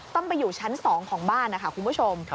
ต้องไปอยู่ชั้น๒ของบ้านนะคะคุณผู้ชม